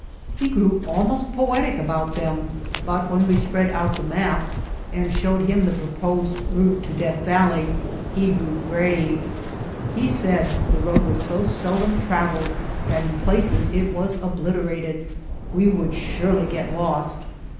He grew almost poetic about them, but when we spread out the map and showed him the proposed route to Death Valley he grew grave. He said the road was so seldom traveled that in places it was obliterated. We would surely get lost.